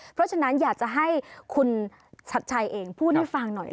เพราะฉะนั้นอยากจะให้คุณชัดชัยเองพูดให้ฟังหน่อย